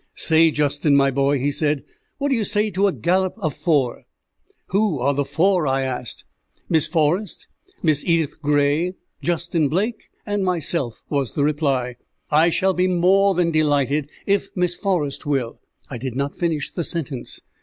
"Say, Justin, my boy," he said, "what do you say to a gallop of four?" "Who are the four?" I asked. "Miss Forrest, Miss Edith Gray, Justin Blake, and myself," was the reply. "I shall be more than delighted if Miss Forrest will " I did not finish the sentence.